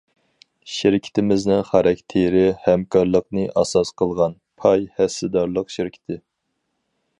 شىركىتىمىزنىڭ خاراكتېرى ھەمكارلىقنى ئاساس قىلغان پاي ھەسسىدارلىق شىركىتى.